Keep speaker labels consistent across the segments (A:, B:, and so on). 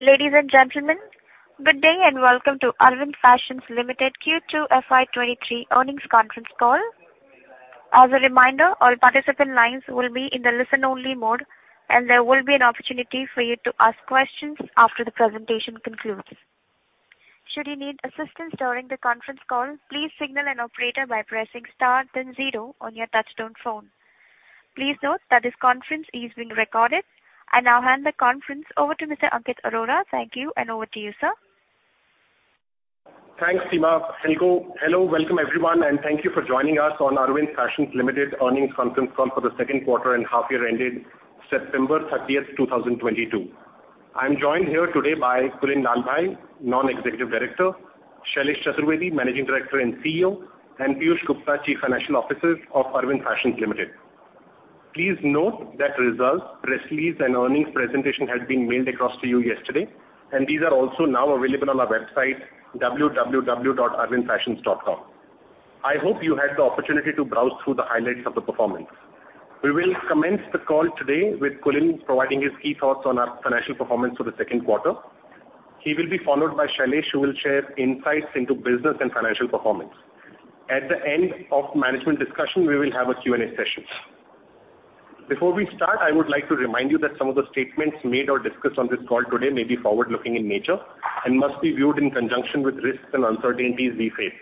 A: Ladies and gentlemen, good day and welcome to Arvind Fashions Limited Q2 FY23 Earnings Conference Call. As a reminder, all participant lines will be in the listen-only mode, and there will be an opportunity for you to ask questions after the presentation concludes. Should you need assistance during the conference call, please signal an operator by pressing star then zero on your touchtone phone. Please note that this conference is being recorded. I now hand the conference over to Mr. Ankit Arora. Thank you, and over to you, sir.
B: Thanks, Sima. Hello, welcome everyone, and thank you for joining us on Arvind Fashions Limited earnings conference call for the Q2 and half year ended September 30th, 2022. I am joined here today by Kulin Lalbhai, Non-Executive Director, Shailesh Chaturvedi, Managing Director and CEO, and Piyush Gupta, Chief Financial Officer of Arvind Fashions Limited. Please note that results, press release and earnings presentation has been mailed across to you yesterday, and these are also now available on our website, www.arvindfashions.com. I hope you had the opportunity to browse through the highlights of the performance. We will commence the call today with Kulin providing his key thoughts on our financial performance for the Q2. He will be followed by Shailesh, who will share insights into business and financial performance. At the end of management discussion, we will have a Q&A session. Before we start, I would like to remind you that some of the statements made or discussed on this call today may be forward-looking in nature and must be viewed in conjunction with risks and uncertainties we face.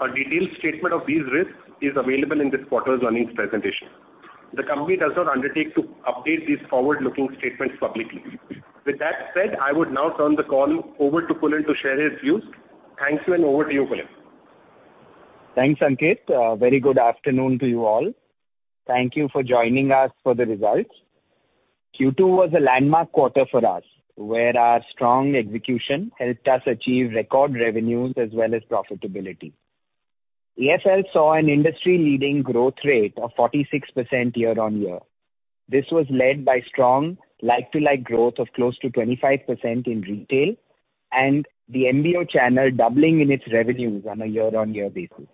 B: A detailed statement of these risks is available in this quarter's earnings presentation. The company does not undertake to update these forward-looking statements publicly. With that said, I would now turn the call over to Kulin to share his views. Thank you, and over to you, Kulin.
C: Thanks, Ankit. Very good afternoon to you all. Thank you for joining us for the results. Q2 was a landmark quarter for us, where our strong execution helped us achieve record revenues as well as profitability. AFL saw an industry-leading growth rate of 46% year-on-year. This was led by strong like-for-like growth of close to 25% in retail and the MBO channel doubling in its revenues on a year-on-year basis.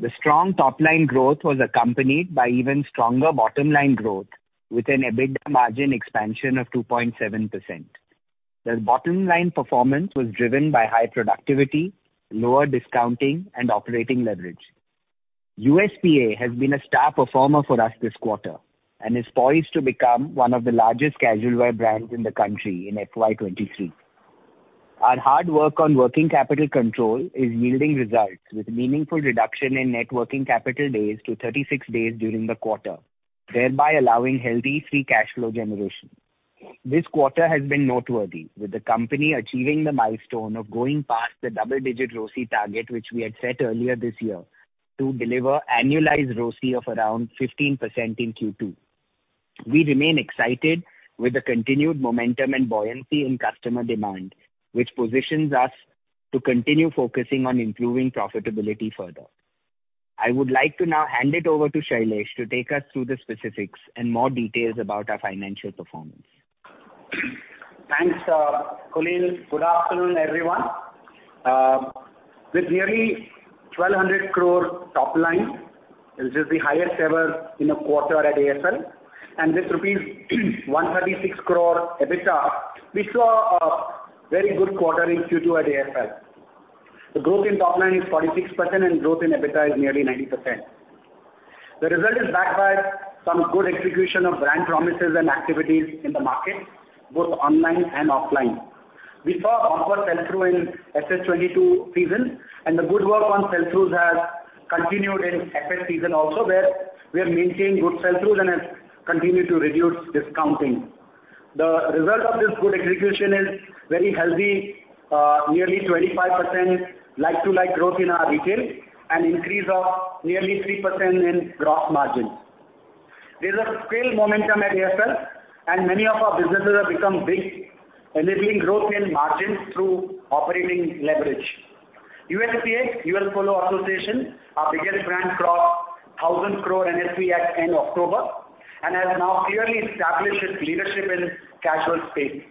C: The strong top line growth was accompanied by even stronger bottom line growth with an EBITDA margin expansion of 2.7%. The bottom line performance was driven by high productivity, lower discounting and operating leverage. USPA has been a star performer for us this quarter and is poised to become one of the largest casual wear brands in the country in FY 2023. Our hard work on working capital control is yielding results with meaningful reduction in net working capital days to 36 days during the quarter, thereby allowing healthy free cash flow generation. This quarter has been noteworthy, with the company achieving the milestone of going past the double-digit ROCE target, which we had set earlier this year to deliver annualized ROCE of around 15% in Q2. We remain excited with the continued momentum and buoyancy in customer demand, which positions us to continue focusing on improving profitability further. I would like to now hand it over to Shailesh to take us through the specifics and more details about our financial performance.
D: Thanks, Kulin. Good afternoon, everyone. With nearly 1,200 crore top line, which is the highest ever in a quarter at AFL, and this 136 crore rupees EBITDA, we saw a very good quarter in Q2 at AFL. The growth in top line is 46% and growth in EBITDA is nearly 90%. The result is backed by some good execution of brand promises and activities in the market, both online and offline. We saw upward sell-through in FS 22 season, and the good work on sell-throughs has continued in FS season also, where we have maintained good sell-throughs and have continued to reduce discounting. The result of this good execution is very healthy, nearly 25% like-for-like growth in our retail and increase of nearly 3% in gross margins. There's a scale momentum at AFL, and many of our businesses have become big, enabling growth in margins through operating leverage. USPA, U.S. Polo Assn., our biggest brand, crossed 1,000 crore NSP at end October and has now clearly established its leadership in casual space.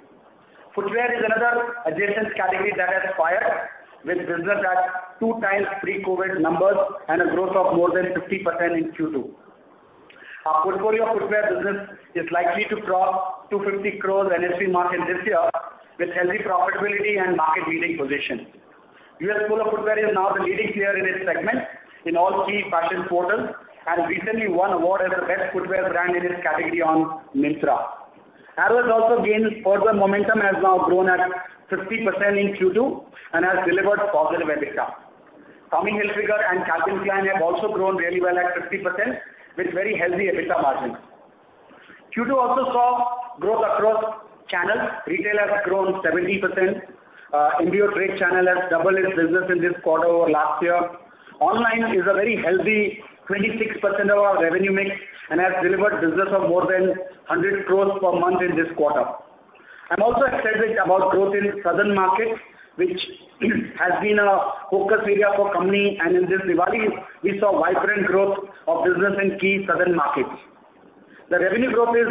D: Footwear is another adjacent category that has fired with business at two times pre-COVID numbers and a growth of more than 50% in Q2. Our portfolio footwear business is likely to cross 250 crore NSP mark in this year with healthy profitability and market-leading position. U.S. Polo footwear is now the leading player in its segment in all key fashion portals and recently won award as the best footwear brand in its category on Myntra. Arrow has also gained further momentum, has now grown at 50% in Q2 and has delivered positive EBITDA. Tommy Hilfiger and Calvin Klein have also grown really well at 50% with very healthy EBITDA margins. Q2 also saw growth across channels. Retail has grown 70%. MBO trade channel has doubled its business in this quarter over last year. Online is a very healthy 26% of our revenue mix and has delivered business of more than 100 crores per month in this quarter. I'm also excited about growth in southern markets, which has been a focus area for company, and in this Diwali, we saw vibrant growth of business in key southern markets. The revenue growth is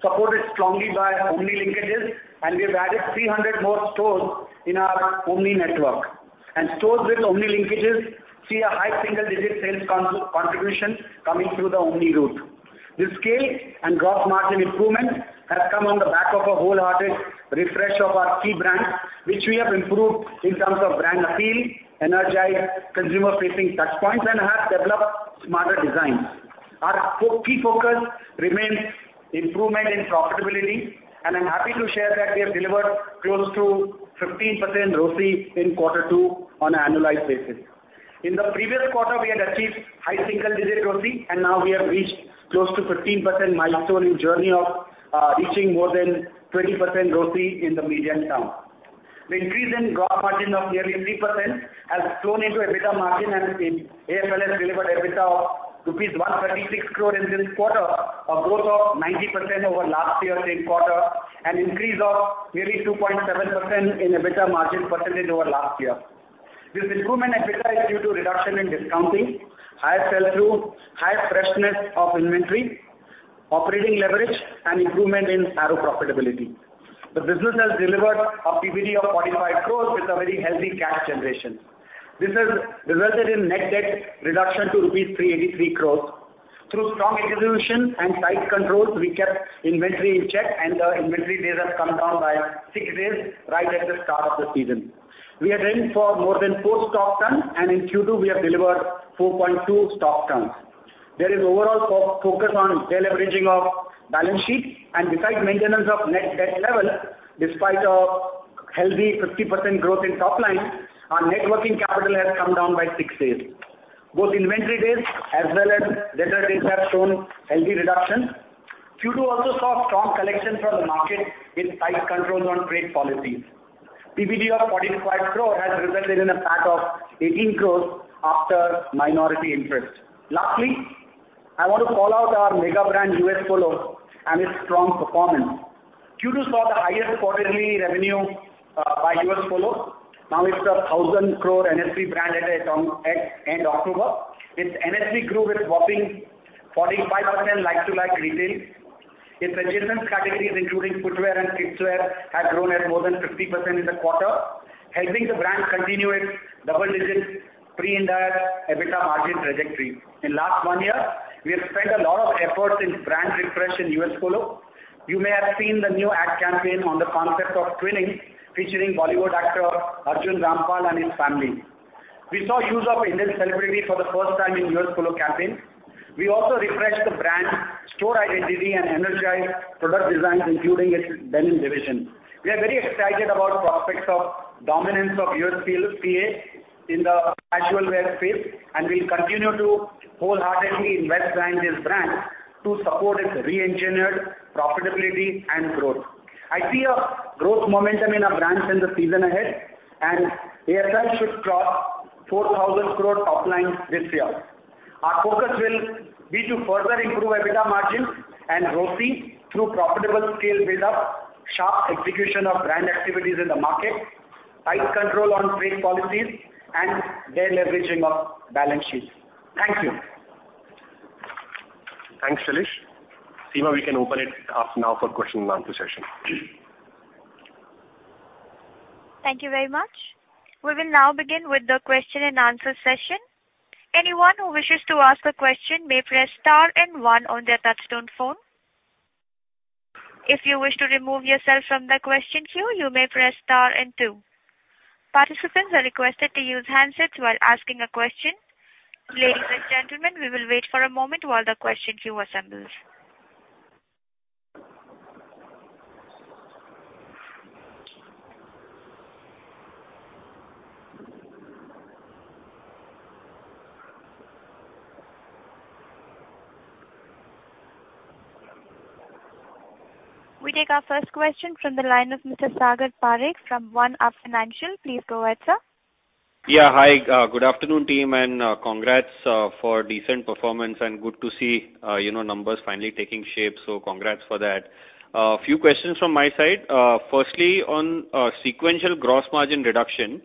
D: supported strongly by omni linkages, and we've added 300 more stores in our omni network. Stores with omni linkages see a high single-digit sales contribution coming through the omni route. This scale and gross margin improvement has come on the back of a wholehearted refresh of our key brands, which we have improved in terms of brand appeal, energize consumer-facing touch points, and have developed smarter designs. Our focus remains improvement in profitability, and I'm happy to share that we have delivered close to 15% ROCE in Q2 on an annualized basis. In the previous quarter, we had achieved high single-digit ROCE, and now we have reached close to 15% milestone in journey of reaching more than 20% ROCE in the medium term. The increase in gross margin of nearly 3% has flowed into EBITDA margin, and AFL has delivered EBITDA of INR 136 crore in this quarter, a growth of 90% over last year's same quarter, an increase of nearly 2.7% in EBITDA margin percentage over last year. This improvement in EBITDA is due to reduction in discounting, higher sell-through, higher freshness of inventory, operating leverage, and improvement in Arrow profitability. The business has delivered a PBT of 45 crore with a very healthy cash generation. This has resulted in net debt reduction to rupees 383 crore. Through strong execution and tight controls, we kept inventory in check, and the inventory days have come down by 6 days right at the start of the season. We are aiming for more than four stock turns, and in Q2, we have delivered 4.2 stock turns. There is overall focus on deleveraging of balance sheet and besides maintenance of net debt level, despite a healthy 50% growth in top line, our net working capital has come down by six days. Both inventory days as well as debtor days have shown healthy reductions. Q2 also saw strong collection from the market with tight controls on trade policies. PBT of 45 crore has resulted in a PAT of 18 crore after minority interest. Lastly, I want to call out our mega brand, U.S. Polo, and its strong performance. Q2 saw the highest quarterly revenue by U.S. Polo. Now it's a 1,000 crore NSP brand at end October. Its NSP grew with whopping 45% like-for-like retail. Its adjacent categories, including footwear and kidswear, have grown at more than 50% in the quarter, helping the brand continue its double-digit pre-Ind AS EBITDA margin trajectory. In last one year, we have spent a lot of efforts in brand refresh in U.S. Polo Assn. You may have seen the new ad campaign on the concept of twinning, featuring Bollywood actor Arjun Rampal and his family. We saw use of Indian celebrity for the first time in U.S. Polo Assn. campaign. We also refreshed the brand store identity and energized product designs, including its denim division. We are very excited about prospects of dominance of U.S. Polo Assn. in the casual wear space, and we'll continue to wholeheartedly invest behind this brand to support its re-engineered profitability and growth. I see a growth momentum in our brands in the season ahead, and AFL should cross 4,000 crore top line this year. Our focus will be to further improve EBITDA margins and ROCE through profitable scale build-up, sharp execution of brand activities in the market, tight control on trade policies, and deleveraging of balance sheets. Thank you.
B: Thanks, Shailesh. Seema, we can open it up now for Q&A session.
A: Thank you very much. We will now begin with the Q&A session. Anyone who wishes to ask a question may press star and one on their touchtone phone. If you wish to remove yourself from the question queue, you may press star and two. Participants are requested to use handsets while asking a question. Ladies and gentlemen, we will wait for a moment while the question queue assembles. We take our first question from the line of Mr. Sagar Parekh from One Up Financial. Please go ahead, sir.
E: Yeah. Hi. Good afternoon, team, and congrats for decent performance, and good to see, you know, numbers finally taking shape, so congrats for that. A few questions from my side. Firstly, on sequential gross margin reduction,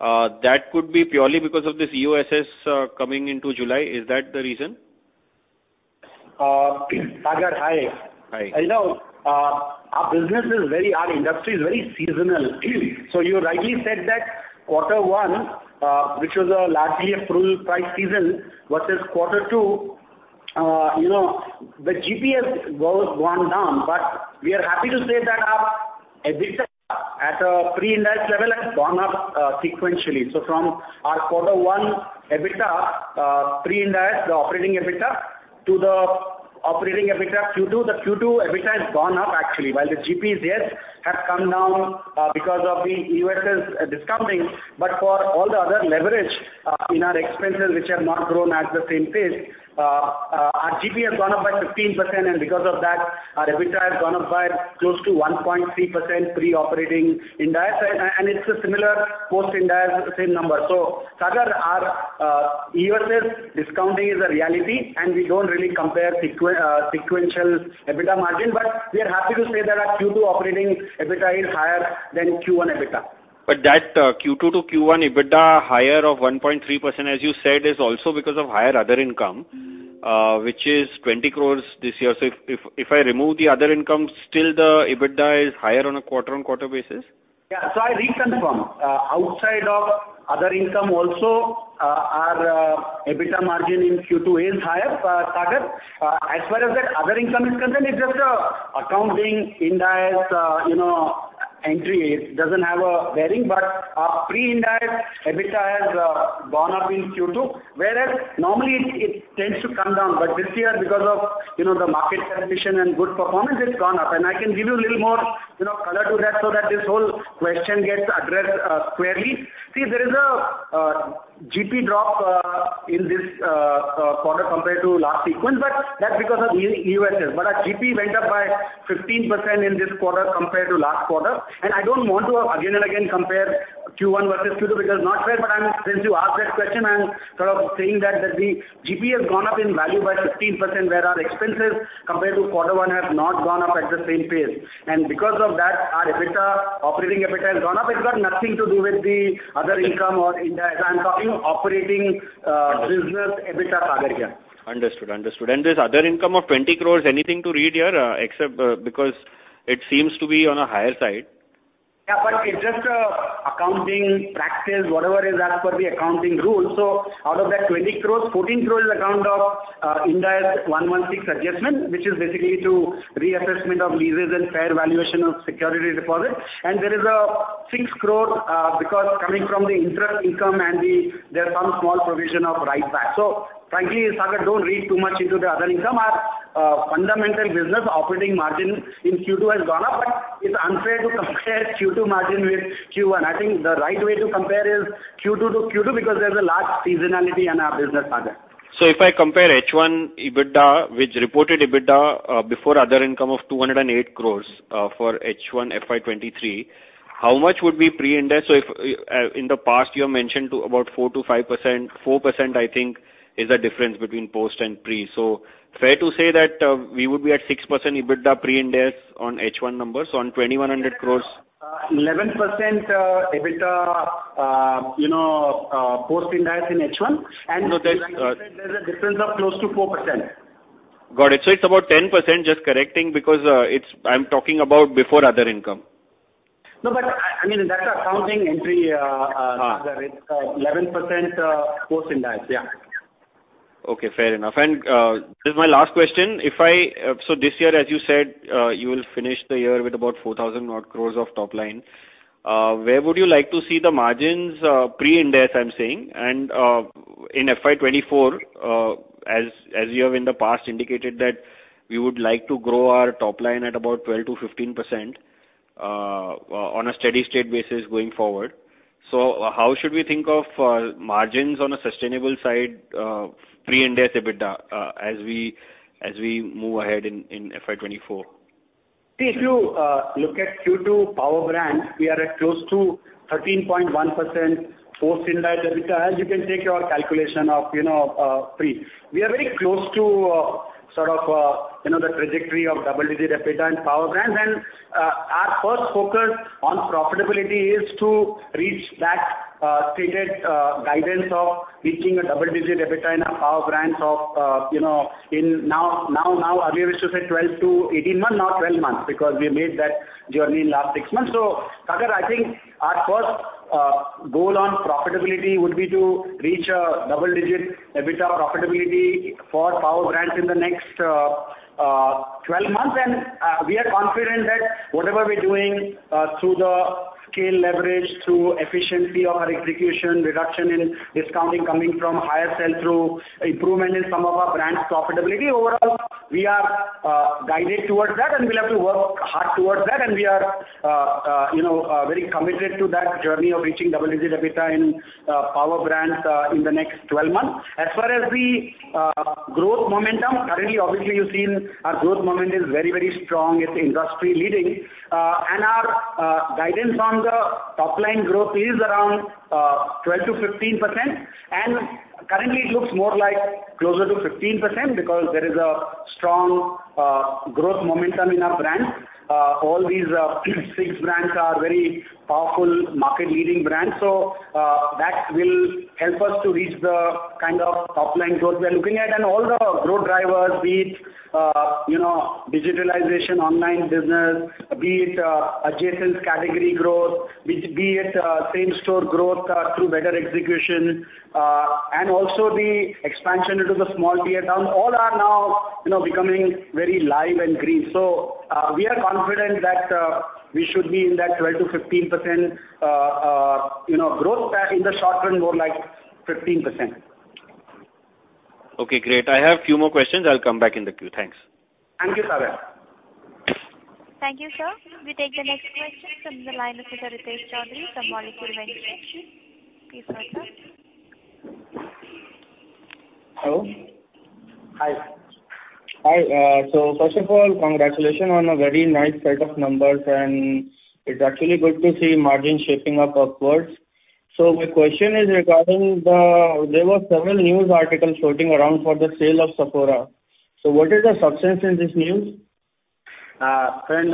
E: that could be purely because of this EOSS coming into July. Is that the reason?
D: Sagar, hi.
E: Hi.
D: You know, our industry is very seasonal. You rightly said that Q1, which was largely a full price season versus Q2, you know, the GP% has gone down, but we are happy to say that our EBITDA at a pre-Ind AS level has gone up sequentially. From our Q1 EBITDA, pre-Ind AS operating EBITDA to the operating EBITDA Q2, the Q2 EBITDA has gone up actually, while the GP%, yes, have come down because of the EOSS discounting. For all the other leverage in our expenses which have not grown at the same pace, our GP% has gone up by 15%, and because of that our EBITDA has gone up by close to 1.3% pre-Ind AS. It's a similar post-Ind AS same number. Sagar, our EOSS discounting is a reality, and we don't really compare sequential EBITDA margin. We are happy to say that our Q2 operating EBITDA is higher than Q1 EBITDA.
E: That Q2 to Q1 EBITDA higher of 1.3%, as you said, is also because of higher other income, which is 20 crore this year. So if I remove the other income, still the EBITDA is higher on a quarter-on-quarter basis?
D: Yeah. I reconfirm, outside of other income also, our EBITDA margin in Q2 is higher, Sagar. As far as that other income is concerned, it's just accounting Ind AS, you know, entry. It doesn't have a bearing. Our pre-Ind AS EBITDA has gone up in Q2, whereas normally it tends to come down. This year, because of, you know, the market competition and good performance, it's gone up. I can give you a little more, you know, color to that so that this whole question gets addressed, clearly. See, there is a GP drop in this quarter compared to last season, but that's because of U.S. Our GP went up by 15% in this quarter compared to last quarter. I don't want to again and again compare Q1 versus Q2 because it's not fair. Since you asked that question, I'm sort of saying that the GP has gone up in value by 15%, where our expenses compared to Q1 have not gone up at the same pace. Because of that, our EBITDA, operating EBITDA has gone up. It's got nothing to do with the other income or Ind AS. I'm talking of operating, business EBITDA, Sagar, yeah.
E: Understood. This other income of 20 crore, anything to read here, except because it seems to be on a higher side.
D: Yeah. It's just accounting practice, whatever is asked for the accounting rules. Out of that 20 crore, 14 crore is account of Ind AS 116 adjustment, which is basically to reassessment of leases and fair valuation of security deposits. There is a 6 crore coming from the interest income and there are some small provision of write back. Frankly, Sagar, don't read too much into the other income. Our fundamental business operating margin in Q2 has gone up, but it's unfair to compare Q2 margin with Q1. I think the right way to compare is Q2 to Q2 because there's a large seasonality in our business, Sagar.
E: If I compare H1 EBITDA with reported EBITDA before other income of 208 crore for H1 FY 2023, how much would be pre-Ind AS? In the past you have mentioned to about 4% to 5%, 4% I think is the difference between post and pre. Fair to say that we would be at 6% EBITDA pre-Ind AS on H1 numbers, on 2,100 crore.
D: 11% EBITDA, you know, post Ind AS in H1.
E: No, there's.
D: There's a difference of close to 4%.
E: Got it. It's about 10% just correcting because, it's. I'm talking about before other income.
D: I mean, that's accounting entry.
E: Uh.
D: It's 11% post Ind AS. Yeah.
E: Okay, fair enough. This is my last question. If I so this year, as you said, you will finish the year with about 4,000 crores of top line. Where would you like to see the margins, pre-Ind AS, I'm saying, and in FY 2024, as you have in the past indicated that we would like to grow our top line at about 12% to 15% on a steady-state basis going forward. How should we think of margins on a sustainable side, pre-Ind AS EBITDA, as we move ahead in FY 2024?
D: See, if you look at Q2 power brands, we are at close to 13.1% post Ind AS EBITDA. We are very close to, you know, the trajectory of double-digit EBITDA in power brands. Our first focus on profitability is to reach that stated guidance of reaching a double-digit EBITDA in our power brands, you know, in now earlier we used to say 12 to 18 months, now 12 months, because we made that journey in last six months. Sagar, I think our first goal on profitability would be to reach a double-digit EBITDA profitability for power brands in the next 12 months. We are confident that whatever we're doing through the scale leverage, through efficiency of our execution, reduction in discounting coming from higher sell-through, improvement in some of our brands' profitability. Overall, we are guided towards that, and we'll have to work hard towards that. We are, you know, very committed to that journey of reaching double-digit EBITDA in power brands in the next 12 months. As far as the growth momentum, currently obviously you've seen our growth momentum is very, very strong. It's industry leading. Our guidance on the top line growth is around 12% to 15%. Currently it looks more like closer to 15% because there is a strong growth momentum in our brands. All these six brands are very powerful market leading brands. That will help us to reach the kind of top-line growth we are looking at. All the growth drivers, be it, you know, digitalization, online business, be it, adjacent category growth, be it, same-store growth, through better execution, and also the expansion into the small tier towns, all are now, you know, becoming very live and green. We are confident that we should be in that 12% to 15%, you know, growth path in the short run, more like 15%.
E: Okay, great. I have few more questions. I'll come back in the queue. Thanks.
D: Thank you, Sagar.
A: Thank you, sir. We take the next question from the line of Mr. Ritesh Choudhary from Molecule Ventures. Please go ahead, sir.
F: Hello?
D: Hi.
F: Hi. First of all, congratulations on a very nice set of numbers, and it's actually good to see margin shaping up upward. My question is regarding there were several news articles floating around for the sale of Sephora. What is the substance in this news?
D: Friend,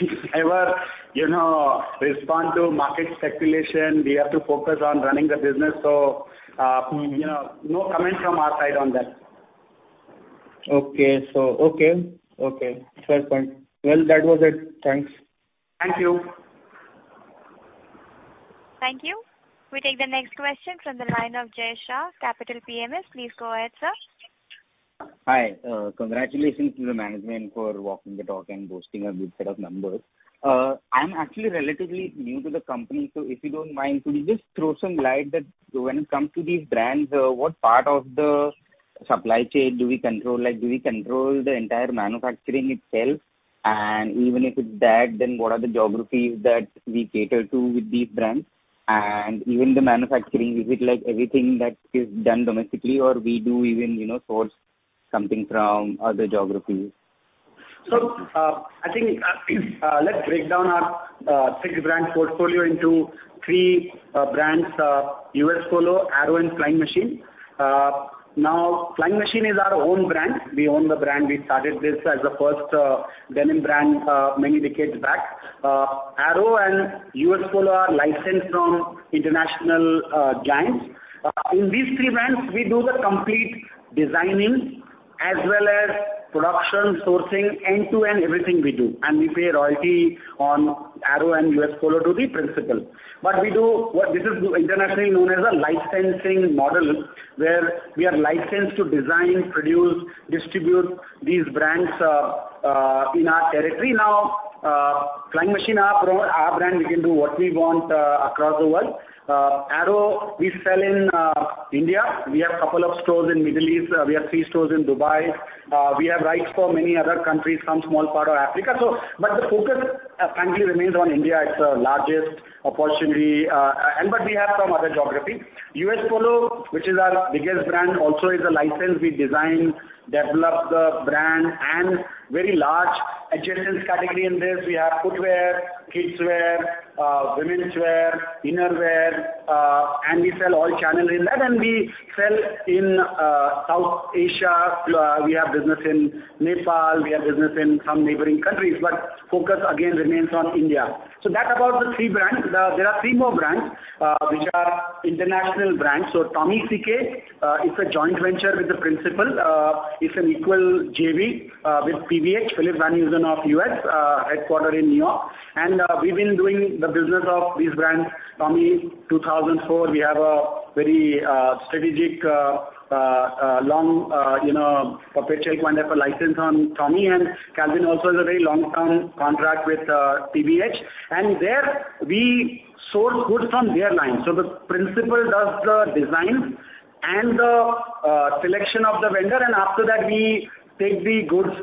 D: we never, you know, respond to market speculation. We have to focus on running the business.
F: Mm-hmm.
D: You know, no comment from our side on that.
G: Okay. Fair point. Well, that was it. Thanks.
D: Thank you.
A: Thank you. We take the next question from the line of Jay Shah, Phillip Capital PMS. Please go ahead, sir.
H: Hi. Congratulations to the management for walking the talk and boasting a good set of numbers. I'm actually relatively new to the company, so if you don't mind, could you just throw some light that when it comes to these brands, what part of the supply chain do we control? Like, do we control the entire manufacturing itself? And even if it's that, then what are the geographies that we cater to with these brands? And even the manufacturing, is it like everything that is done domestically or we do even, you know, source something from other geographies?
D: I think, let's break down our six brand portfolio into three brands, U.S. Polo, Arrow and Flying Machine. Now, Flying Machine is our own brand. We own the brand. We started this as a first denim brand many decades back. Arrow and U.S. Polo are licensed from international giants. In these three brands, we do the complete designing as well as production, sourcing, end-to-end everything we do. And we pay royalty on Arrow and U.S. Polo to the principal. But this is internationally known as a licensing model, where we are licensed to design, produce, distribute these brands in our territory. Now, Flying Machine is our own brand, we can do what we want across the world. Arrow, we sell in India. We have couple of stores in Middle East. We have three stores in Dubai. We have rights for many other countries, some small part of Africa. The focus frankly remains on India. It's the largest opportunity, and we have some other geography. U.S. Polo, which is our biggest brand, also is a license. We design, develop the brand and very large adjacent category in this. We have footwear, kidswear, womenswear, innerwear, and we sell all channels in that. We sell in South Asia. We have business in Nepal. We have business in some neighboring countries, but focus again remains on India. That's about the three brands. There are three more brands, which are international brands. Tommy Hilfiger and Calvin Klein is a joint venture with the principal. It's an equal JV with PVH, Phillips-Van Heusen of U.S., headquartered in New York. We've been doing the business of these brands, Tommy, 2004. We have a very strategic long you know perpetual kind of a license on Tommy. Calvin also has a very long-term contract with PVH. There we source goods from their line. The principal does the designs and the selection of the vendor, and after that we take the goods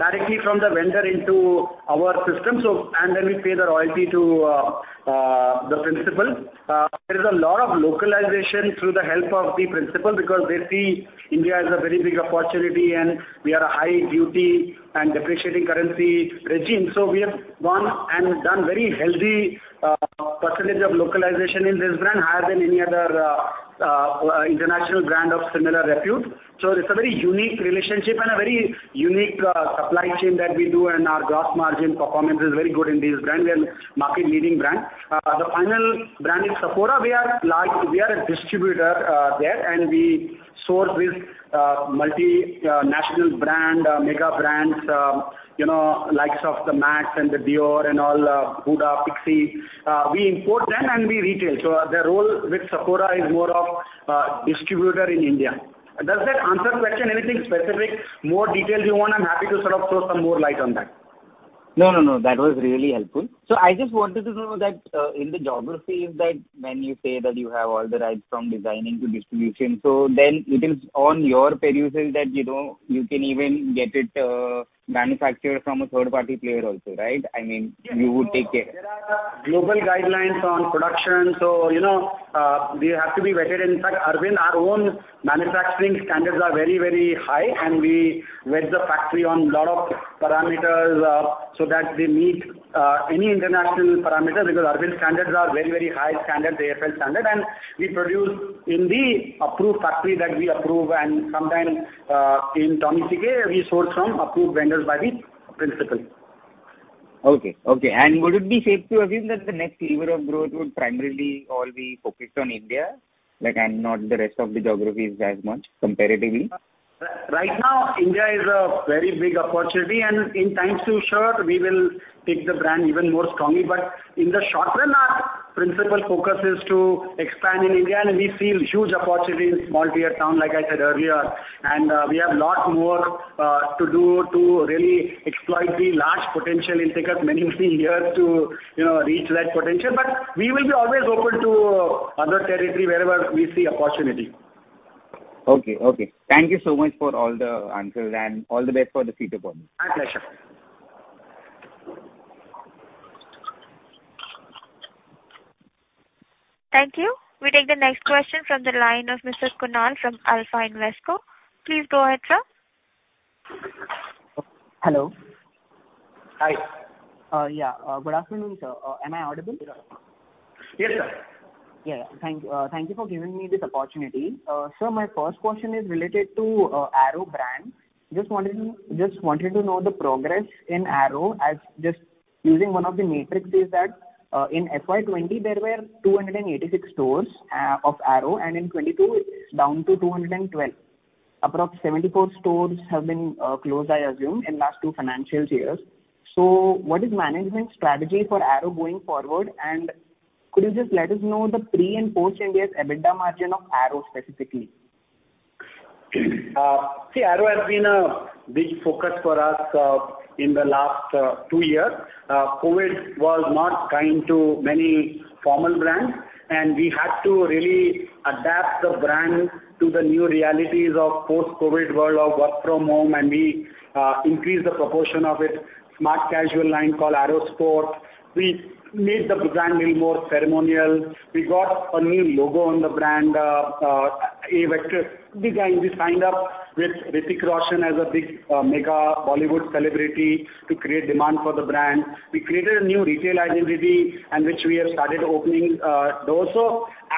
D: directly from the vendor into our system. And then we pay the royalty to the principal. There is a lot of localization through the help of the principal because they see India as a very big opportunity and we are a high duty and depreciating currency regime. We have gone and done very healthy percentage of localization in this brand higher than any other international brand of similar repute. It's a very unique relationship and a very unique supply chain that we do, and our gross margin performance is very good in this brand. We are market-leading brand. The final brand is Sephora. We are a distributor there, and we source with multinational brand mega brands, you know, likes of the MAC and the Dior and all, Huda, Pixi. We import them and we retail. The role with Sephora is more of distributor in India. Does that answer question? Anything specific, more details you want, I'm happy to sort of throw some more light on that.
H: No, no. That was really helpful. I just wanted to know that, in the geographies that when you say that you have all the rights from designing to distribution, so then it is on your purview that, you know, you can even get it manufactured from a third-party player also, right? I mean, you would take care.
D: There are global guidelines on production. You know, we have to be vetted. In fact, Arvind, our own manufacturing standards are very, very high, and we vet the factory on a lot of parameters, so that they meet any international parameter because Arvind standards are very, very high standard, AFL standard. We produce in the approved factory that we approve. Sometimes, in Tommy, CK, we source from approved vendors by the principal.
H: Okay. Would it be safe to assume that the next lever of growth would primarily all be focused on India, like, and not the rest of the geographies as much comparatively?
D: Right now, India is a very big opportunity, and in time, to be sure, we will take the brand even more strongly. In the short run, our principal focus is to expand in India, and we see huge opportunity in small-tier towns, like I said earlier. We have a lot more to do to really exploit the large potential. It'll take us many, many years to, you know, reach that potential, but we will always be open to other territories wherever we see opportunity.
H: Okay. Thank you so much for all the answers, and all the best for the future performance.
D: My pleasure.
A: Thank you. We take the next question from the line of Mr. Kunal from Alpha Capital. Please go ahead, sir.
G: Hello.
D: Hi.
G: Yeah. Good afternoon, sir. Am I audible?
D: Yes, sir.
G: Yeah. Thank you for giving me this opportunity. My first question is related to Arrow brand. Just wanted to know the progress in Arrow, just using one of the metrics, that in FY 2020 there were 286 stores of Arrow, and in 2022 it's down to 212. About 74 stores have been closed, I assume, in last two financial years. What is management strategy for Arrow going forward? And could you just let us know the pre- and post-Ind AS EBITDA margin of Arrow specifically?
D: See, Arrow has been a big focus for us in the last two years. COVID was not kind to many formal brands, and we had to really adapt the brand to the new realities of post-COVID world of work from home, and we increased the proportion of its smart casual line called Arrow Sport. We made the brand little more ceremonial. We got a new logo on the brand, a vector design. We signed up with Hrithik Roshan as a big mega Bollywood celebrity to create demand for the brand. We created a new retail identity in which we have started opening doors.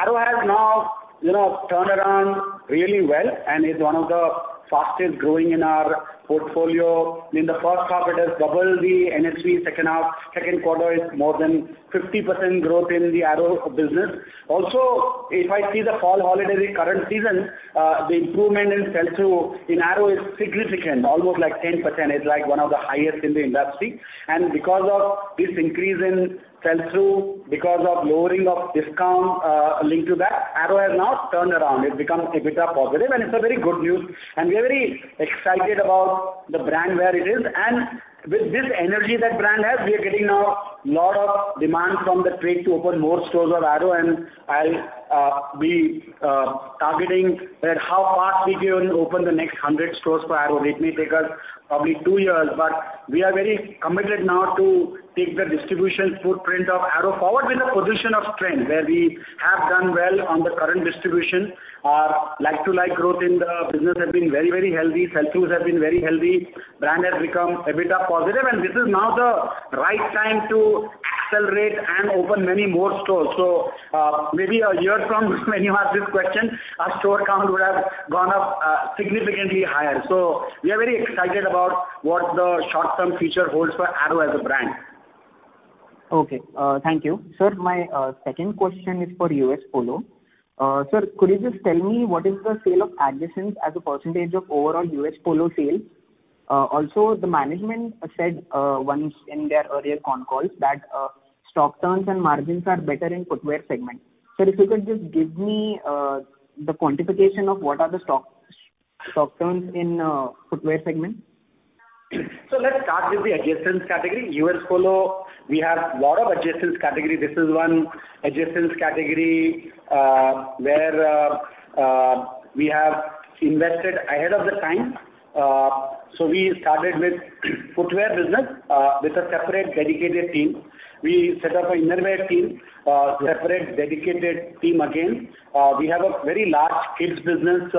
D: Arrow has now, you know, turned around really well and is one of the fastest growing in our portfolio. In the first half, it has doubled the NSV. Q2 is more than 50% growth in the Arrow business. Also, if I see the fall holiday, the current season, the improvement in sell-through in Arrow is significant, almost like 10%. It's like one of the highest in the industry. Because of this increase in sell-through, because of lowering of discount, linked to that, Arrow has now turned around. It's become EBITDA positive, and it's a very good news. We are very excited about the brand where it is. With this energy that brand has, we are getting now a lot of demand from the trade to open more stores of Arrow. I'll be targeting that how fast we can open the next 100 stores for Arrow. It may take us probably two years, but we are very committed now to take the distribution footprint of Arrow forward with a position of strength where we have done well on the current distribution. Like-for-like growth in the business has been very, very healthy. Sell-throughs have been very healthy. The brand has become a bit more positive, and this is now the right time to accelerate and open many more stores. Maybe a year from when you ask this question, our store count would have gone up significantly higher. We are very excited about what the short-term future holds for Arrow as a brand.
G: Okay. Thank you. Sir, my second question is for U.S. Polo Assn. Sir, could you just tell me what is the sale of adjacents as a percentage of overall U.S. Polo Assn. sales? Also the management said, once in their earlier con calls that, stock turns and margins are better in footwear segment. Sir, if you could just give me, the quantification of what are the stock turns in footwear segment.
D: Let's start with the adjacents category. U.S. Polo, we have a lot of adjacents category. This is one adjacents category, where we have invested ahead of the time. We started with footwear business with a separate dedicated team. We set up an innerwear team, separate dedicated team again. We have a very large kids business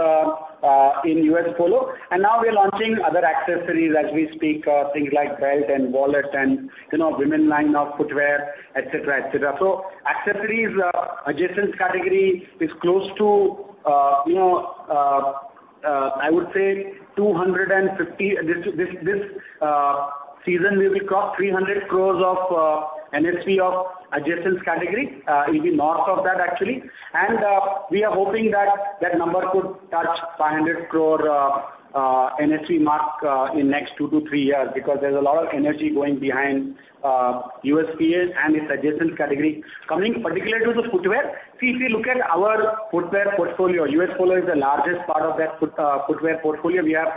D: in U.S. Polo, and now we're launching other accessories as we speak, things like belt and wallet and, you know, women line of footwear, et cetera, et cetera. Accessories, adjacents category is close to, you know, I would say 250 crores. This season we will cross 300 crores of NSV of adjacents category, it'll be north of that actually. We are hoping that number could touch 500 crore NSV mark in next two to three years because there's a lot of energy going behind USPA and its adjacent categories. Coming particularly to the footwear, see, if you look at our footwear portfolio, U.S. Polo Assn. is the largest part of that footwear portfolio. We have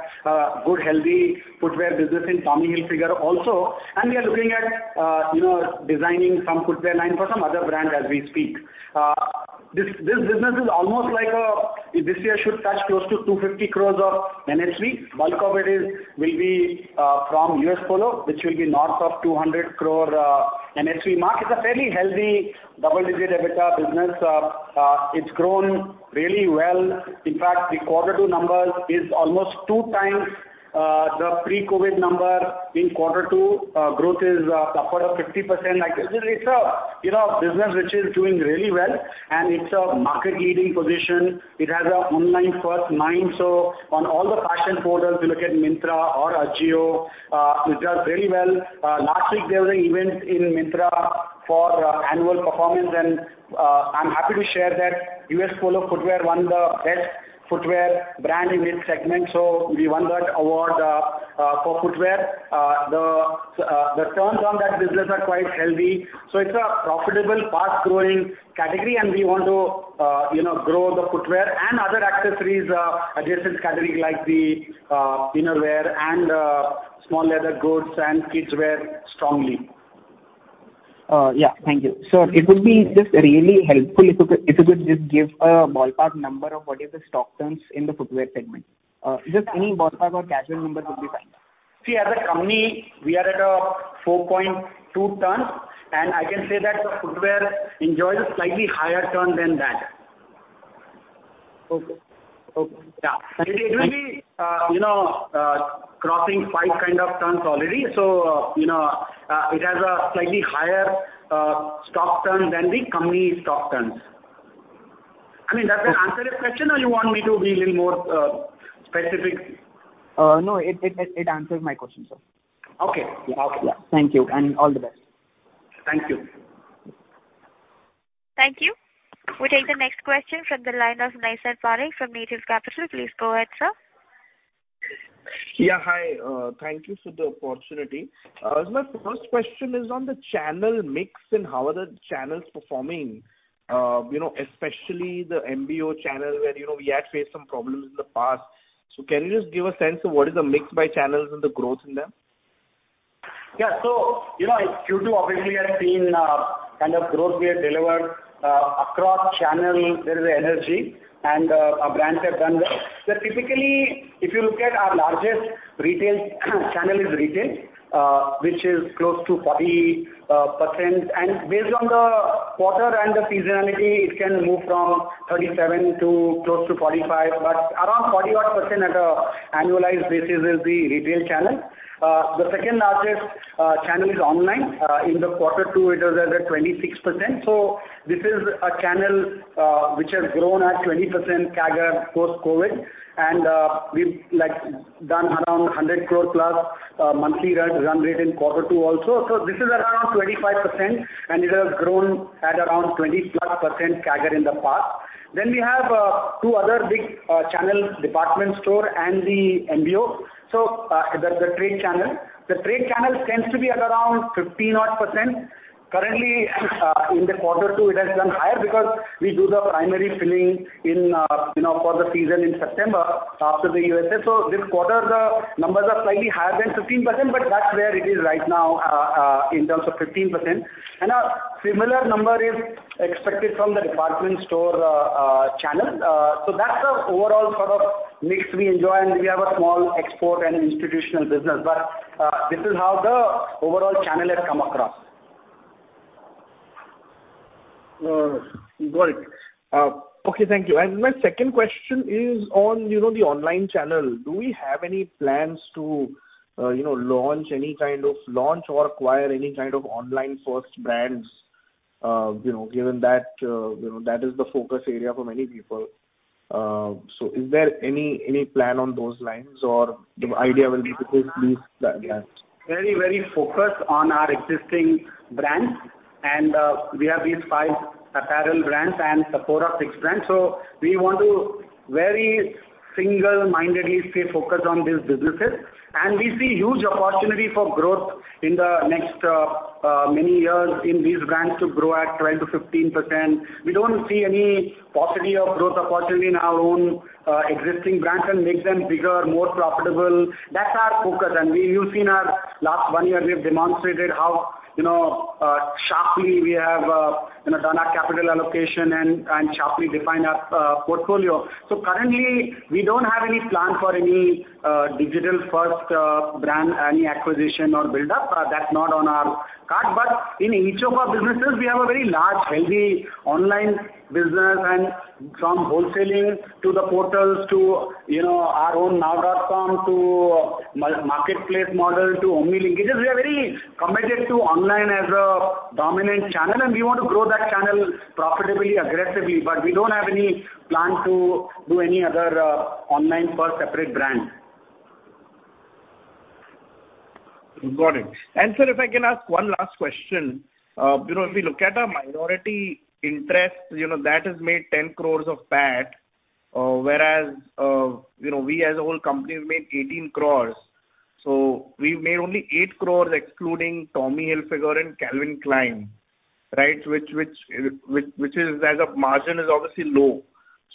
D: good healthy footwear business in Tommy Hilfiger also, and we are looking at, you know, designing some footwear line for some other brand as we speak. This business this year should touch close to 250 crore of NSV. Bulk of it will be from U.S. Polo Assn., which will be north of 200 crore NSV mark. It's a fairly healthy double-digit EBITDA business. It's grown really well. In fact, the Q2 numbers is almost 2x the pre-COVID number. In Q2, growth is upward of 50%. Like, this is a, you know, a business which is doing really well, and it's a market leading position. It has an online first mind. So on all the fashion portals, you look at Myntra or Ajio, it does very well. Last week there was an event in Myntra for annual performance, and I'm happy to share that U.S. Polo Assn. footwear won the best footwear brand in its segment. So we won that award for footwear. The turns on that business are quite healthy. It's a profitable, fast-growing category and we want to, you know, grow the footwear and other accessories, adjacents category like the innerwear and small leather goods and kidswear strongly.
G: Yeah. Thank you. Sir, it would be just really helpful if you could just give a ballpark number of what is the stock turns in the footwear segment. Just any ballpark or casual number would be fine.
D: See, as a company, we are at 4.2 turns, and I can say that the footwear enjoys a slightly higher turn than that.
G: Okay. Okay.
D: Yeah.
G: Thank you.
D: It will be, you know, crossing five kind of turns already. You know, it has a slightly higher, stock turn than the company stock turns. I mean, does that answer your question or you want me to be a little more, specific?
G: No, it answers my question, sir.
D: Okay.
G: Yeah.
D: Okay.
G: Thank you, and all the best.
D: Thank you.
A: Thank you. We take the next question from the line of Naysar Parikh from Native Capital. Please go ahead, sir.
I: Yeah. Hi, thank you for the opportunity. My first question is on the channel mix and how are the channels performing, you know, especially the MBO channel where, you know, we had faced some problems in the past. Can you just give a sense of what is the mix by channels and the growth in them?
D: Yeah. You know, Q2 obviously has seen kind of growth we have delivered across channel. There is energy and our brands have done well. Typically, if you look at our largest retail channel is retail, which is close to 40%, and based on the quarter and the seasonality, it can move from 37% to close to 45%, but around 40-odd% at an annualized basis is the retail channel. The second-largest channel is online. In Q2, it was at 26%. This is a channel which has grown at 20% CAGR post-COVID. We've like done around 100 crore plus monthly rev run rate in Q2 also. This is around 25%, and it has grown at around 20+% CAGR in the past. We have two other big channels, department store and the MBO. The trade channel. The trade channel tends to be at around 15 odd percent. Currently, in Q2 it has done higher because we do the primary fill-in, you know, for the season in September after the EOSS. This quarter the numbers are slightly higher than 15%, but that's where it is right now, in terms of 15%. A similar number is expected from the department store channel. That's the overall sort of mix we enjoy, and we have a small export and institutional business. This is how the overall channel has come across.
I: Got it. Okay, thank you. My second question is on, you know, the online channel. Do we have any plans to, you know, launch or acquire any kind of online first brands? You know, given that, you know, that is the focus area for many people. Is there any plan on those lines or the idea will be to just lease the brands?
D: Very, very focused on our existing brands and, we have these 5 apparel brands and a core of 6 brands. We want to very single-mindedly stay focused on these businesses. We see huge opportunity for growth in the next, many years in these brands to grow at 12%-15%. We don't see any possibility of growth opportunity in our own, existing brands and make them bigger, more profitable. That's our focus. You've seen our last one year, we've demonstrated how, you know, sharply we have, you know, done our capital allocation and sharply defined our portfolio. Currently we don't have any plan for any, digital first, brand, any acquisition or build up. That's not on our card. In each of our businesses we have a very large, healthy online business. From wholesaling to the portals to, you know, our own NNNOW.com, to marketplace model to Omni linkages, we are very committed to online as a dominant channel, and we want to grow that channel profitably, aggressively. We don't have any plan to do any other online for separate brand.
I: Got it. Sir, if I can ask one last question. You know, if we look at our minority interest, you know, that has made 10 crores of PAT, whereas, you know, we as a whole company have made 18 crores. We've made only 8 crores excluding Tommy Hilfiger and Calvin Klein, right? Which, as a margin, is obviously low.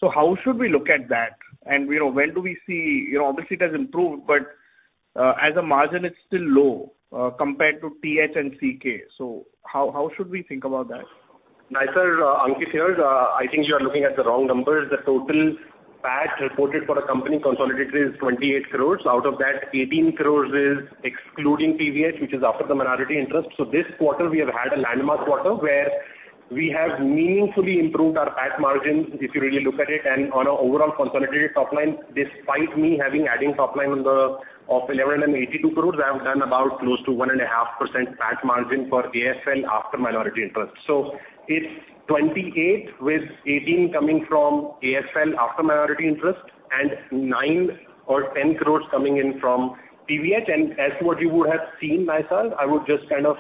I: How should we look at that? You know, when do we see, you know, obviously it has improved, but, as a margin it's still low, compared to TH and CK. How should we think about that?
B: Naysar, Ankit here. I think you are looking at the wrong numbers. The total PAT reported for the company consolidated is 28 crore. Out of that, 18 crore is excluding PVH, which is after the minority interest. This quarter we have had a landmark quarter where we have meaningfully improved our PAT margins if you really look at it. On an overall consolidated top line, despite having added top line number of 1,182 crore, I have done about close to 1.5% PAT margin for AFL after minority interest. It's 28 crore, with 18 crore coming from AFL after minority interest and 9-10 crore coming in from PVH. As to what you would have seen, Naysar, I would just kind of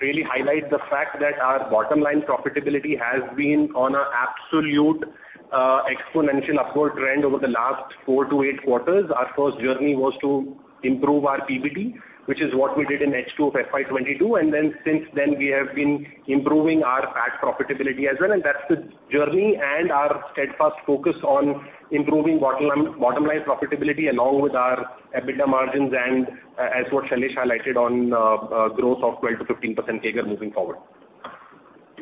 B: really highlight the fact that our bottom line profitability has been on an absolute exponential upward trend over the last four to eight quarters. Our first journey was to improve our PBT, which is what we did in H2 of FY 2022. Then since then we have been improving our PAT profitability as well. That's the journey and our steadfast focus on improving bottom line profitability along with our EBITDA margins and as what Shailesh Chaturvedi highlighted on growth of 12% to 15% CAGR moving forward.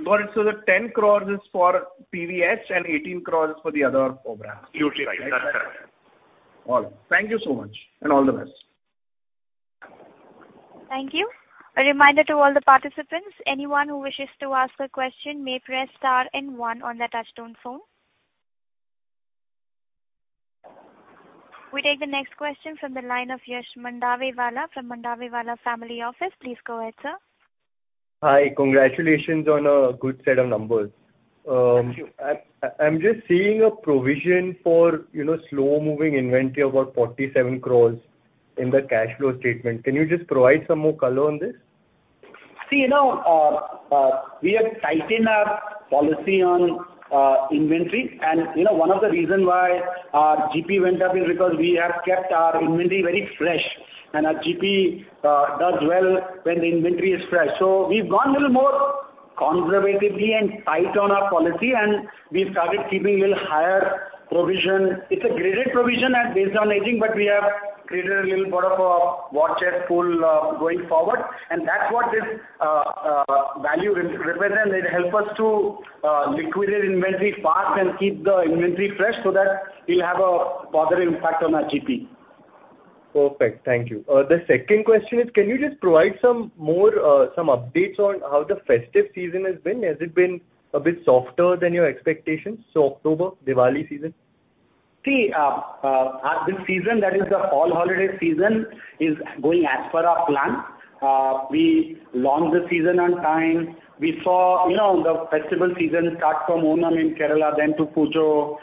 I: Got it. The 10 crore is for PVH and 18 crore is for the other four brands.
B: Usually, right. That's correct.
I: All right. Thank you so much, and all the best.
A: Thank you. A reminder to all the participants. Anyone who wishes to ask a question may press star and one on their touchtone phone. We take the next question from the line of Yash Mandawewala from Mandawewala Family Office. Please go ahead, sir.
J: Hi. Congratulations on a good set of numbers.
D: Thank you.
J: I'm just seeing a provision for, you know, slow-moving inventory about 47 crores. In the cash flow statement, can you just provide some more color on this?
D: See, you know, we have tightened our policy on inventory. You know, one of the reason why our GP went up is because we have kept our inventory very fresh, and our GP does well when the inventory is fresh. We've gone a little more conservatively and tight on our policy, and we've started keeping a little higher provision. It's a graded provision and based on aging, but we have created a little bit of a war chest pool going forward, and that's what this value will represent. It'll help us to liquidate inventory fast and keep the inventory fresh so that we'll have a positive impact on our GP.
J: Perfect. Thank you. The second question is, can you just provide some more updates on how the festive season has been? Has it been a bit softer than your expectations, so October, Diwali season?
D: See, this season, that is the fall holiday season, is going as per our plan. We launched the season on time. We saw, you know, the festival season start from Onam in Kerala, then to Pujo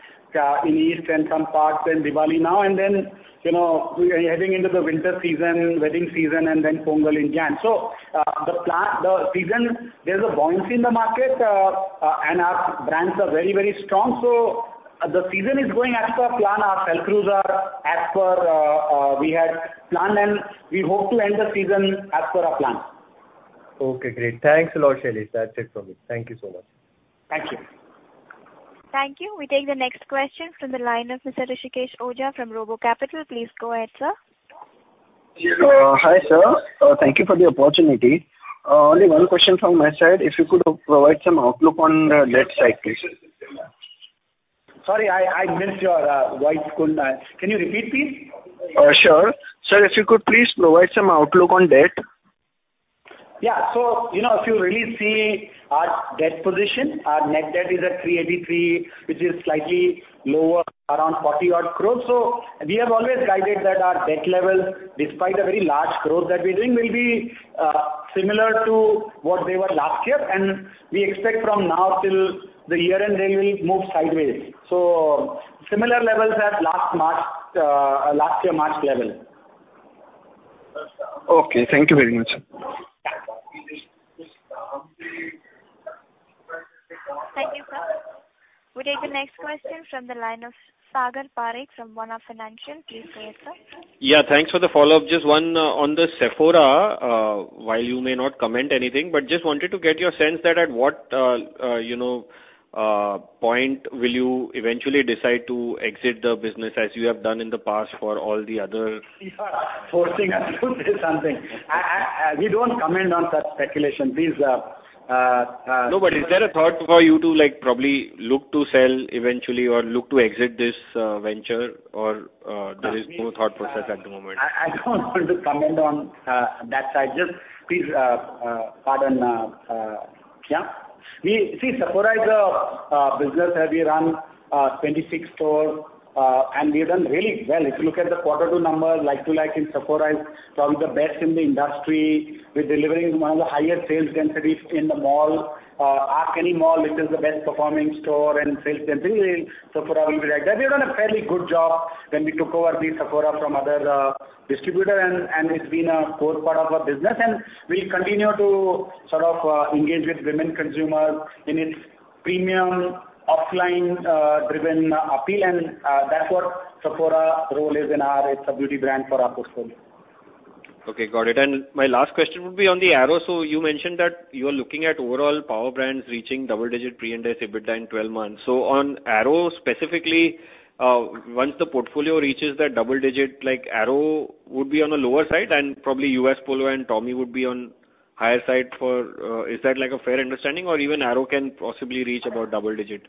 D: in East and some parts, then Diwali now and then, you know, we are heading into the winter season, wedding season, and then Pongal in January. The season, there's a buoyancy in the market, and our brands are very, very strong. The season is going as per plan. Our sell-throughs are as per we had planned, and we hope to end the season as per our plan.
J: Okay, great. Thanks a lot, Shailesh. That's it from me. Thank you so much.
D: Thank you.
A: Thank you. We take the next question from the line of Mr. Hrishikesh Ojha from Robo Capital. Please go ahead, sir.
K: Hi, sir. Thank you for the opportunity. Only one question from my side. If you could provide some outlook on the debt side, please.
D: Sorry, I missed your voice. Can you repeat, please?
K: Sure. Sir, if you could please provide some outlook on debt.
D: Yeah. You know, if you really see our debt position, our net debt is at 383 crore, which is slightly lower, around 40 odd crore. We have always guided that our debt level, despite the very large growth that we're doing, will be similar to what they were last year. We expect from now till the year-end, they will move sideways. Similar levels as last March, last year March level.
K: Okay. Thank you very much.
A: Thank you, sir. We take the next question from the line of Sagar Parekh from OneUp Financial. Please go ahead, sir.
E: Yeah. Thanks for the follow-up. Just one on the Sephora. While you may not comment anything, but just wanted to get your sense that at what, you know, point will you eventually decide to exit the business as you have done in the past for all the other-
D: You are forcing us to say something. We don't comment on such speculation. These are
E: No, but is there a thought for you to, like, probably look to sell eventually or look to exit this venture or there is no thought process at the moment?
D: I don't want to comment on that side. Just please pardon. Sephora is a business where we run 26 stores, and we've done really well. If you look at the Q2 numbers, like-for-like in Sephora is probably the best in the industry. We're delivering one of the highest sales densities in the mall. Ask any mall which is the best performing store and sales density, Sephora will be right there. We've done a fairly good job when we took over Sephora from other distributor, and it's been a core part of our business, and we'll continue to sort of engage with women consumers in its premium offline driven appeal. That's what Sephora's role is in our portfolio. It's a beauty brand for our portfolio.
E: Okay, got it. My last question would be on the Arrow. You mentioned that you are looking at overall power brands reaching double-digit pre-interest EBITDA in 12 months. On Arrow specifically, once the portfolio reaches that double-digit, like Arrow would be on a lower side and probably U.S. Polo and Tommy would be on higher side. Is that like a fair understanding or even Arrow can possibly reach about double-digit?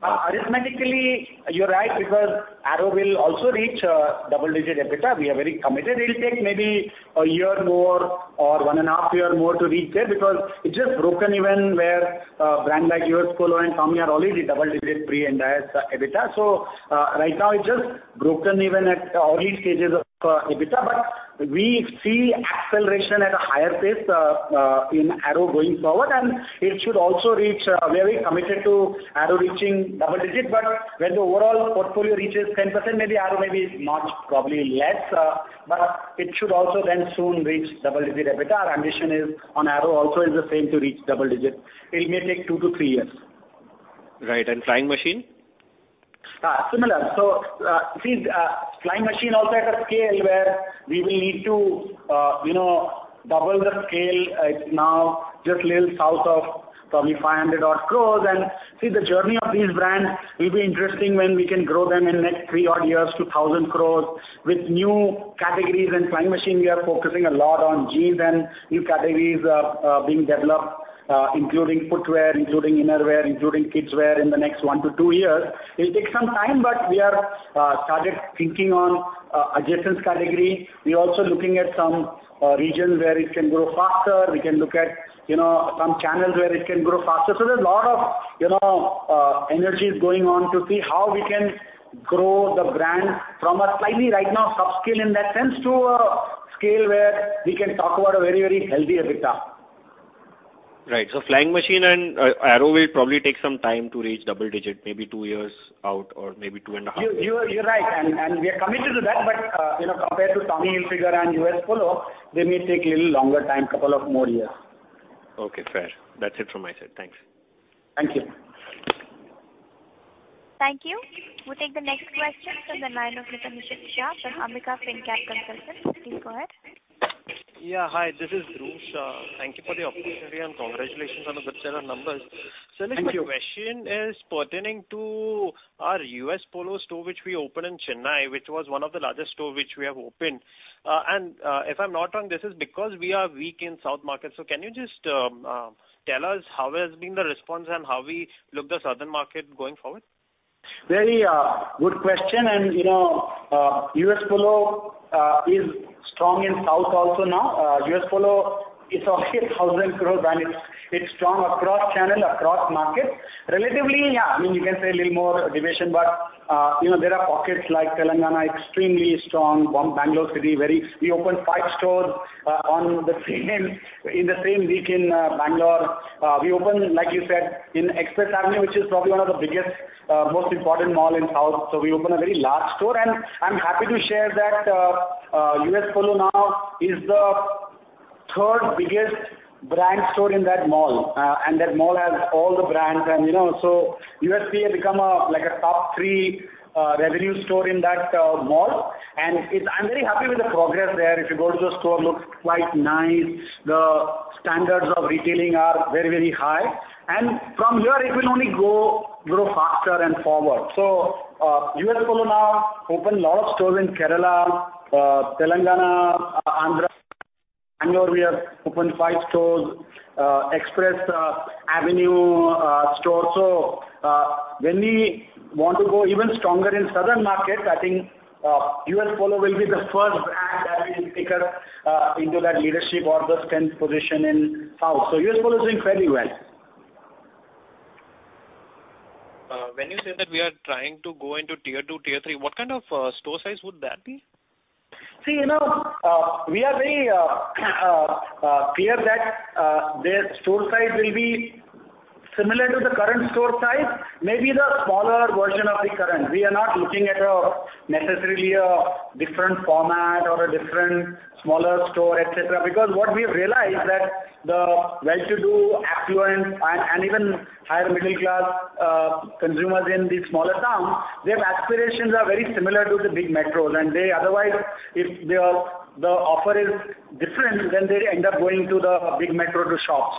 D: Arithmetically, you're right because Arrow will also reach double-digit EBITDA. We are very committed. It'll take maybe a year more or one and half years more to reach there because it's just broken even where brands like U.S. Polo Assn. and Tommy Hilfiger are already double-digit PBT and EBITDA. Right now it's just broken even at early stages of EBITDA. We see acceleration at a higher pace in Arrow going forward, and it should also reach. Very committed to Arrow reaching double-digit. When the overall portfolio reaches 10%, maybe Arrow is much probably less, but it should also then soon reach double-digit EBITDA. Our ambition on Arrow also is the same to reach double-digit. It may take two to three years.
E: Right. Flying Machine?
D: Similar. Flying Machine also at a scale where we will need to, you know, double the scale. It's now just little south of probably 500 odd crores. The journey of these brands will be interesting when we can grow them in the next three odd years to 1,000 crores with new categories. In Flying Machine, we are focusing a lot on jeans and new categories being developed, including footwear, including innerwear, including kidswear in the next one to two years. It'll take some time, but we are started thinking on adjacent category. We're also looking at some regions where it can grow faster. We can look at, you know, some channels where it can grow faster. There's a lot of, you know, energies going on to see how we can grow the brand from a slightly right now sub-scale in that sense to a scale where we can talk about a very, very healthy EBITDA.
L: Right. Flying Machine and Arrow will probably take some time to reach double digit, maybe two years out or maybe two and a half years.
D: You're right, and we are committed to that. You know, compared to Tommy Hilfiger and U.S. Polo, they may take a little longer time, couple of more years.
L: Okay, fair. That's it from my side. Thanks.
D: Thank you.
A: Thank you. We'll take the next question from the line of Mr. Nishid Shah from Ambika Fincap Consultants. Please go ahead.
M: Yeah, hi. This is Nishid Shah. Thank you for the opportunity and congratulations on the good set of numbers.
D: Thank you.
M: Listen, my question is pertaining to our U.S. Polo store which we opened in Chennai, which was one of the largest store which we have opened. And, if I'm not wrong, this is because we are weak in south markets. Can you just tell us how has been the response and how we look the southern market going forward?
D: Very good question. You know, U.S. Polo is strong in South also now. U.S. Polo is an 1,000 crore brand. It's strong across channel, across markets. Relatively, yeah, I mean, you can say a little more division, but you know, there are pockets like Telangana extremely strong. Bangalore city, very. We opened five stores in the same week in Bangalore. We opened, like you said, in Express Avenue, which is probably one of the biggest, most important mall in South. So we opened a very large store, and I'm happy to share that, U.S. Polo now is the third biggest brand store in that mall. That mall has all the brands and, you know. So USPA become a, like a top three, revenue store in that mall. I'm very happy with the progress there. If you go to the store, it looks quite nice. The standards of retailing are very, very high. From here, it will only go, grow faster and forward. U.S. Polo now opened a lot of stores in Kerala, Telangana, Andhra. Bangalore, we have opened five stores, Express Avenue store. When we want to go even stronger in southern markets, I think, U.S. Polo will be the first brand that will take us into that leadership or the strength position in South. U.S. Polo is doing very well.
M: When you say that we are trying to go into Tier 2, Tier 3, what kind of store size would that be?
D: See, you know, we are very clear that their store size will be similar to the current store size, maybe the smaller version of the current. We are not looking at a necessarily different format or a different smaller store, et cetera, because what we have realized that the well-to-do, affluent and even higher middle class consumers in these smaller towns, their aspirations are very similar to the big metros. They otherwise, if the offer is different, then they end up going to the big metro to shop.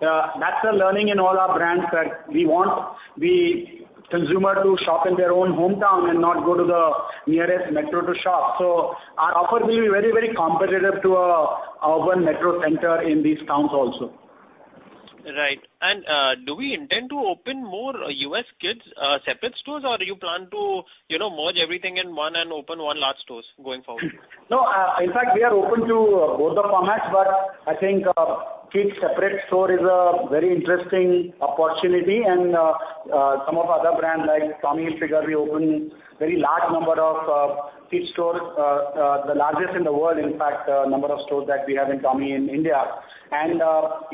D: That's a learning in all our brands that we want the consumer to shop in their own hometown and not go to the nearest metro to shop. Our offer will be very, very competitive to an urban metro center in these towns also.
M: Right. Do we intend to open more U.S. Kids separate stores, or you plan to, you know, merge everything in one and open one large stores going forward?
D: No, in fact, we are open to both the formats, but I think kids separate store is a very interesting opportunity and some of other brand like Tommy Hilfiger, we opened very large number of kids stores, the largest in the world, in fact, number of stores that we have in Tommy in India.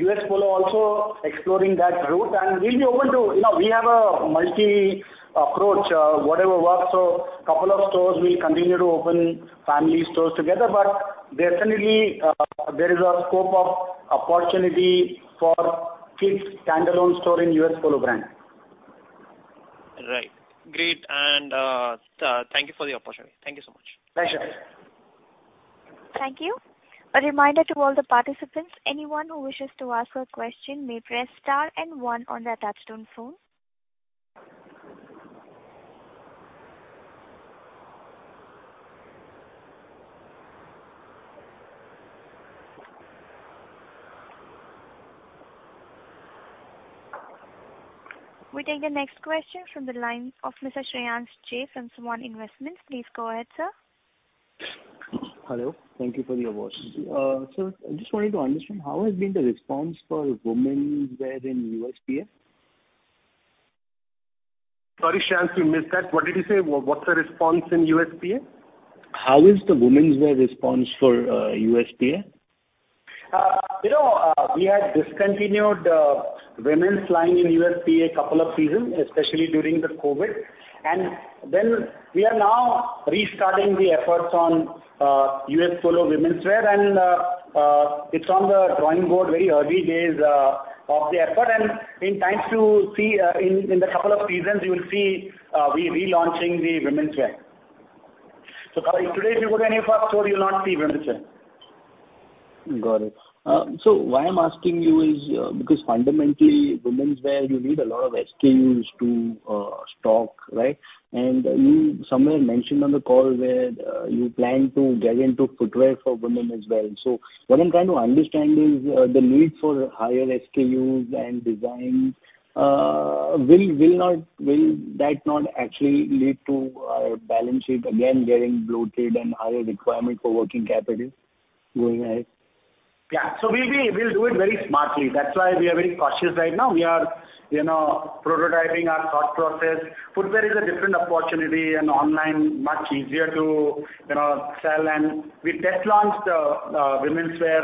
D: U.S. Polo also exploring that route and we'll be open to. You know, we have a multi approach, whatever works. Couple of stores we'll continue to open family stores together, but definitely there is a scope of opportunity for kids standalone store in U.S. Polo brand.
M: Right. Great. Thank you for the opportunity. Thank you so much.
D: Pleasure.
A: Thank you. A reminder to all the participants, anyone who wishes to ask a question may press star and one on their touchtone phone. We take the next question from the line of Mr. Shreyas Jain from Suman Investments. Please go ahead, sir.
L: Hello. Thank you for your voice. Sir, I just wanted to understand how has been the response for womenswear in USPA?
D: Sorry, Shreyas, we missed that. What did you say? What, what's the response in USPA?
L: How is the womenswear response for USPA?
D: You know, we had discontinued women's line in USPA couple of seasons, especially during the COVID. We are now restarting the efforts on U.S. Polo womenswear and it's on the drawing board, very early days of the effort. In time to see, in the couple of seasons, you will see we relaunching the womenswear. If today you go to any of our store, you'll not see womenswear.
L: Got it. Why I'm asking you is, because fundamentally womenswear you need a lot of SKUs to stock, right? You somewhere mentioned on the call where you plan to get into footwear for women as well. What I'm trying to understand is, the need for higher SKUs and design will that not actually lead to balance sheet again getting bloated and higher requirement for working capital going ahead?
D: Yeah. So we'll do it very smartly. That's why we are very cautious right now. We are, you know, prototyping our thought process. Footwear is a different opportunity, and online much easier to, you know, sell. We test launched women's wear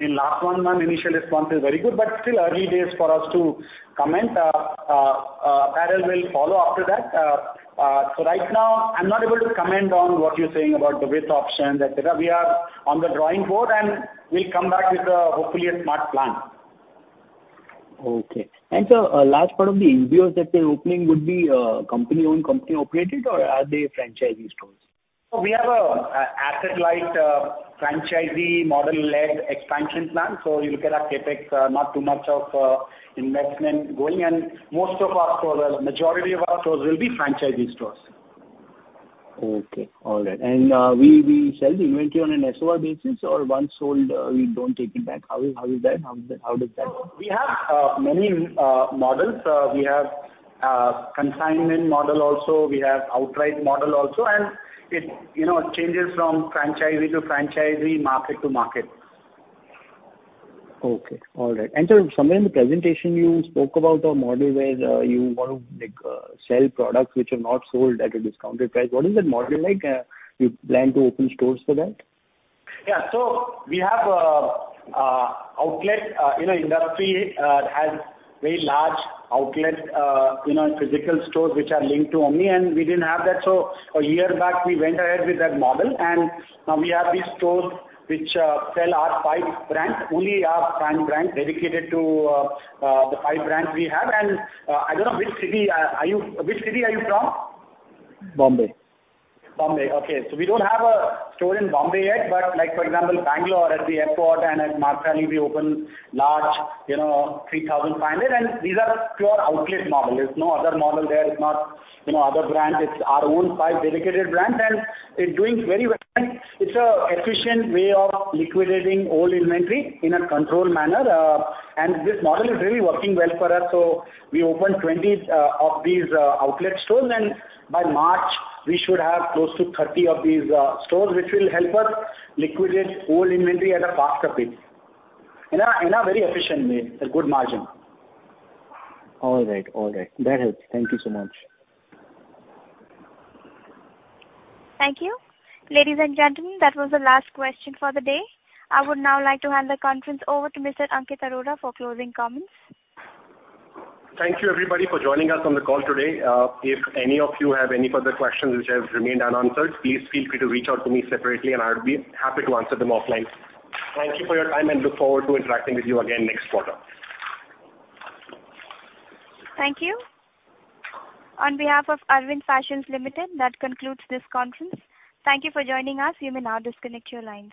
D: in last one month. Initial response is very good, but still early days for us to comment. Apparel will follow after that. Right now I'm not able to comment on what you're saying about the width options, et cetera. We are on the drawing board, and we'll come back with hopefully a smart plan.
L: A large part of the stores that they're opening would be company-owned, company-operated or are they franchisee stores?
D: We have a asset-light franchisee model-led expansion plan. You look at our CapEx, not too much of investment going. Most of our stores, majority of our stores will be franchisee stores.
L: Okay, all right. Will you be selling inventory on an SOR basis or once sold, we don't take it back? How is that? How does that work?
D: We have many models. We have consignment model also, we have outright model also, and it, you know, changes from franchisee to franchisee, market to market.
L: Okay, all right. Somewhere in the presentation you spoke about a model where you want to like sell products which are not sold at a discounted price. What is that model like? You plan to open stores for that?
D: Yeah. The outlet industry has very large outlets, you know, physical stores which are linked to omni-channel, and we didn't have that. A year back we went ahead with that model, and now we have these stores which sell our five brands, only our five brands dedicated to the five brands we have. I don't know which city are you from?
L: Bombay.
D: Mumbai, okay. We don't have a store in Mumbai yet, but like for example, Bangalore at the airport and at Marathahalli we opened large, you know, 3,500. These are pure outlet model. There's no other model there. It's not, you know, other brand. It's our own five dedicated brands, and it's doing very well. It's an efficient way of liquidating old inventory in a controlled manner. This model is really working well for us, so we opened 20 of these outlet stores. By March we should have close to 30 of these stores, which will help us liquidate old inventory at a faster pace in a very efficient way, a good margin.
L: All right. That helps. Thank you so much.
A: Thank you. Ladies and gentlemen, that was the last question for the day. I would now like to hand the conference over to Mr. Ankit Arora for closing comments.
B: Thank you, everybody, for joining us on the call today. If any of you have any further questions which have remained unanswered, please feel free to reach out to me separately, and I'll be happy to answer them offline. Thank you for your time and look forward to interacting with you again next quarter.
A: Thank you. On behalf of Arvind Fashions Limited, that concludes this conference. Thank you for joining us. You may now disconnect your lines.